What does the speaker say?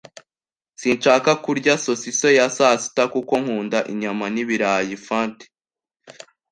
Sinshaka kurya sosiso ya sasita, kuko nkunda inyama n'ibirayi. (fanty)